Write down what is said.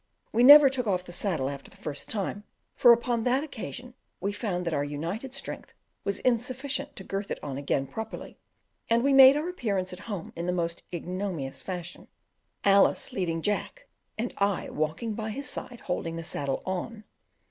We never took off the saddle after the first time, for upon that occasion we found that our united strength was insufficient to girth it on again properly, and we made our appearance at home in the most ignominious fashion Alice leading Jack, and I walking by his side holding the saddle on.